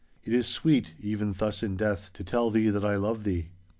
'It is sweet, even thus in death, to tell thee that I love thee!